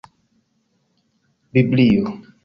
biblio